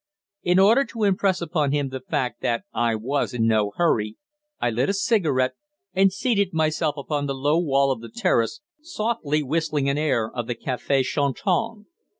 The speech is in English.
In order to impress upon him the fact that I was in no hurry, I lit a cigarette, and seated myself upon the low wall of the terrace, softly whistling an air of the café chantant.